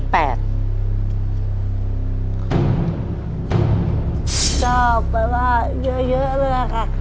ชอบแปลว่าเยอะแล้วนะค่ะ